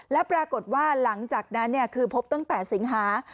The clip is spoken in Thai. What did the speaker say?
แล้วปรากฏว่าหลังจากนั้นคือพบตั้งแต่สิงหา